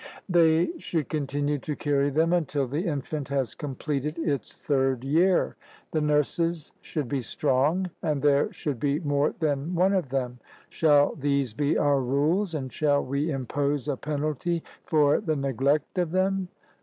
they should continue to carry them until the infant has completed its third year; the nurses should be strong, and there should be more than one of them. Shall these be our rules, and shall we impose a penalty for the neglect of them?